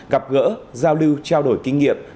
gặp gỡ giao lưu trao đổi kinh nghiệm